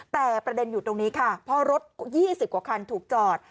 แต่ประเด็นอยู่ตรงนี้ค่ะเพราะรถ๒๐กว่าคันถูกจอด